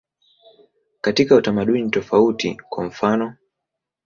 Katika utamaduni tofauti, kwa mfanof.